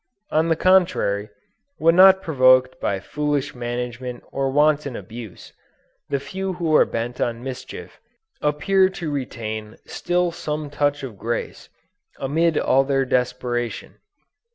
On the contrary, when not provoked by foolish management or wanton abuse, the few who are bent on mischief, appear to retain still some touch of grace, amid all their desperation.